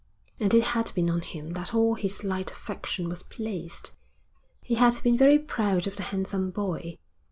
And it had been on him that all his light affection was placed. He had been very proud of the handsome boy.